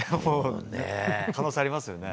可能性ありますよね。